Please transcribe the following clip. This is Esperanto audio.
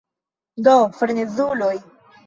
Do, frenezuloj.